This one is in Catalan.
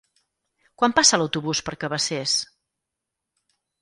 Quan passa l'autobús per Cabacés?